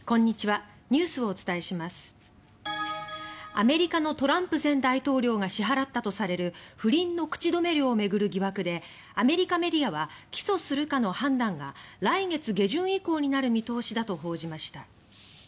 アメリカのトランプ前大統領が支払ったとされる不倫の口止め料を巡る疑惑でアメリカメディアは起訴するかの判断が来月下旬以降になる見通しだと報じました。